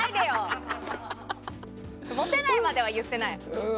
モテないまでは言ってない。